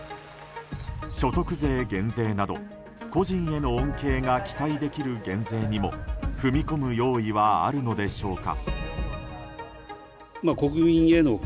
所得税減税など、個人への恩恵が期待できる減税にも踏み込む用意はあるのでしょうか。